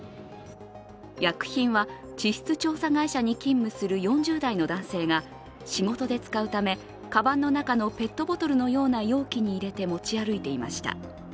薬品は、地質調査会社に勤務する４０代の男性が仕事で使うため、かばんの中のペットボトルのような容器に入れて持ち歩いていました。